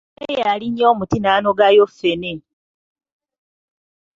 Ani oyo alinnye omuti n’anogayo ffene?